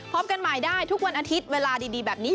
พบกันใหม่ได้ทุกวันอาทิตย์เวลาดีแบบนี้